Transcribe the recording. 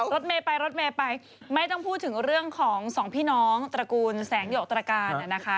รถแม่ไปไปไม่ต้องพูดถึงเรื่องของสองพี่น้องตระกูลแสงเดียวกันนะคะ